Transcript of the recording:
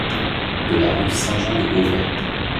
de la rue Saint-Jean-de-Beauvais.